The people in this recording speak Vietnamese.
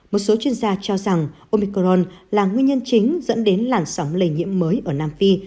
một số chuyên gia cho rằng omicron là nguyên nhân chính dẫn đến làn sóng lây nhiễm mới ở nam phi